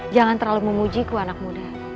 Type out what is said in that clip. jangan terlalu memuji ku anak muda